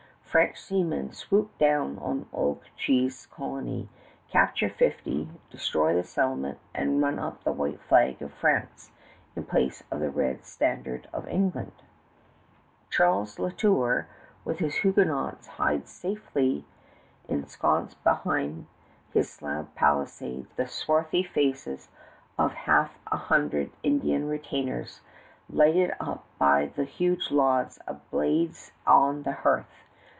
French seamen swoop down on Ochiltree's colony, capture fifty, destroy the settlement, and run up the white flag of France in place of the red standard of England. [Illustration: SIR WILLIAM ALEXANDER] Charles de La Tour with his Huguenots hides safely ensconced behind his slab palisades with the swarthy faces of half a hundred Indian retainers lighted up by the huge logs at blaze on the hearth.